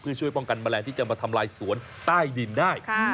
เพื่อช่วยป้องกันแมลงที่จะมาทำลายสวนใต้ดินได้